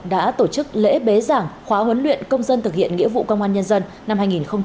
đã tổ chức lễ bế giảng khóa huấn luyện công dân thực hiện nghĩa vụ công an nhân dân năm hai nghìn hai mươi